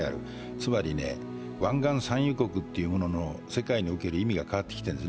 つまり湾岸産油国というものの世界における意味が変わってきているんです。